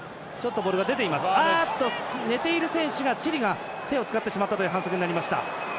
寝ている選手がチリが手を使ってしまったという反則になりました。